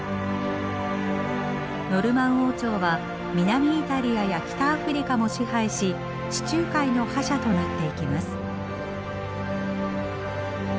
ノルマン王朝は南イタリアや北アフリカも支配し地中海の覇者となっていきます。